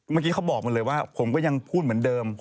เมื่อกี้เขาบอกมาเลยว่าผมก็ยังพูดเหมือนเดิม